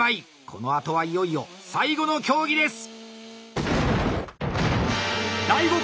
このあとはいよいよ最後の競技です！